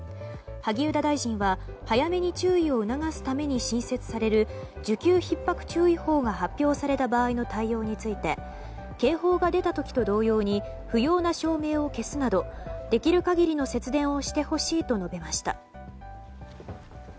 萩生田大臣は早めに注意を促すために新設される需給ひっ迫注意報が発表された場合の対応について警報が出た時と同様に不要な照明を消すなどできる限りの節電をしてほしいと述べました。